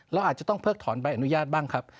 เราอาจจะต้องเพิกถอนใบอนุญาตบ้างครับ